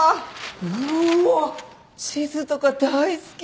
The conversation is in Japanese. うーわ地図とか大好き！